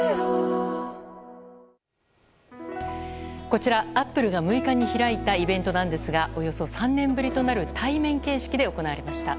こちら、アップルが６日に開いたイベントなんですがおよそ３年ぶりとなる対面形式で行われました。